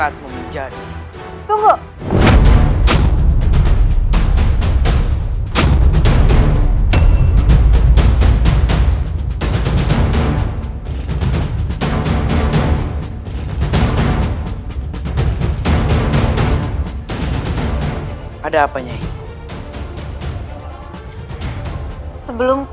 terima kasih berseheure